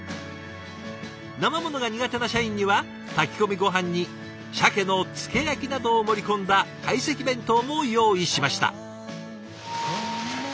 なま物が苦手な社員には炊き込みごはんにシャケの漬け焼きなどを盛り込んだ懐石弁当も用意しました。